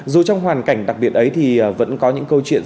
dù trong hoàn cảnh đặc biệt ấy thì vẫn có những câu chuyện